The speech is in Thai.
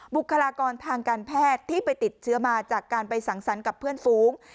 บุคลากรทางการแพทย์ที่ไปติดเชื้อมาจากการไปสังสรรค์กับเพื่อนฟู้ง